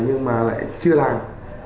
nhưng mà lại chưa làm